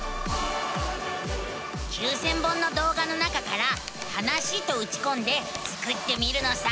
９，０００本の動画の中から「はなし」とうちこんでスクってみるのさ。